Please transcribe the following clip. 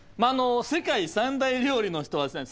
世界三大料理の人はですね